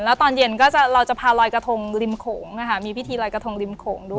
แล้วตอนเย็นก็จะเราจะพาลอยกระทงริมโขงมีพิธีลอยกระทงริมโขงด้วย